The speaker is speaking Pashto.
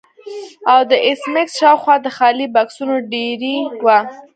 او د ایس میکس شاوخوا د خالي بکسونو ډیرۍ وه